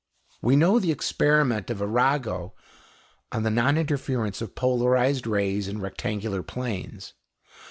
We know the experiment of Arago on the noninterference of polarized rays in rectangular planes.